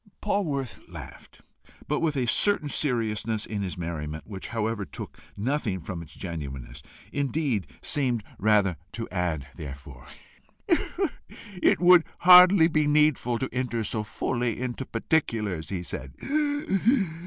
Polwarth laughed, but with a certain seriousness in his merriment, which however took nothing from its genuineness, indeed seemed rather to add thereto. "It would hardly be needful to enter so fully into particulars," he said.